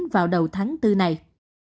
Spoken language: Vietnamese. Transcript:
vào đầu tháng bốn này